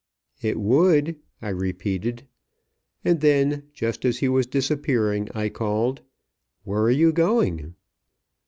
"It would " I repeated, and then, just as he was disappearing, I called, "Where are you going?"